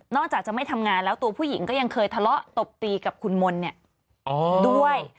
จากจะไม่ทำงานแล้วตัวผู้หญิงก็ยังเคยทะเลาะตบตีกับคุณมนต์ด้วย